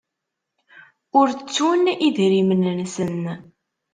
Ur ttun idrimen-nsen.